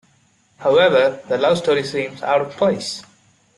However, the love story seems out of place.